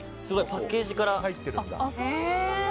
パッケージから入ってるんだ。